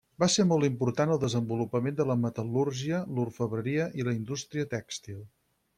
Va ser molt important el desenvolupament de la metal·lúrgia, l'orfebreria i la indústria tèxtil.